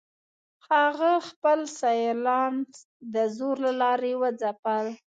هغه خپل سیالان د زور له لارې وځپل.